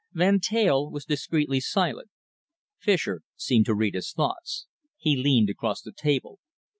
Van Teyl was discreetly silent. Fischer seemed to read his thoughts. He leaned across the table.